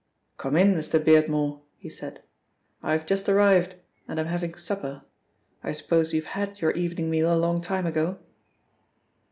"Come in, Mr. Beardmore," he said. "I have just arrived, and am having supper. I suppose you've had your evening meal a long time ago."